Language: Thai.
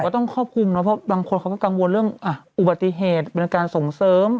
ต้องครอบคลุมเนาะเพราะบางคนเขาก็กังวลเรื่องอุบัติเหตุเป็นการส่งเสริม